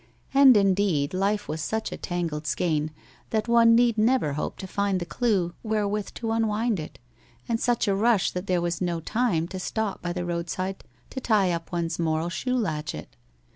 And in deed Life was such a tangled skein that one need never hope to find the clue wherewith to unwind it, and such a rush that there was no time to stop by the roadside to tie up one's moral shoe latchet.